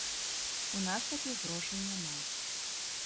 У нас такіх грошай няма.